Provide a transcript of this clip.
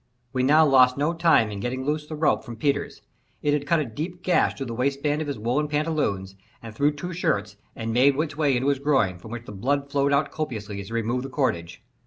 We now lost no time in getting loose the rope from Peters. It had cut a deep gash through the waistband of his woollen pantaloons, and through two shirts, and made its way into his groin, from which the blood flowed out copiously as we removed the cordage.